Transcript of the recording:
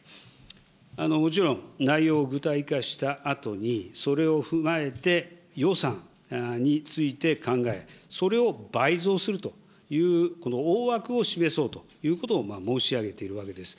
もちろん、内容を具体化したあとに、それを踏まえて、予算について考え、それを倍増するという大枠を示そうということを申し上げているわけです。